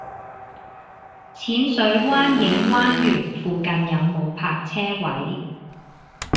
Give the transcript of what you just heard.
淺水灣影灣園附近有無泊車位？